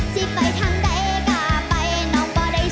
สิไปทางได้กล้าไปน้องบ่ได้สนของพ่อสำนี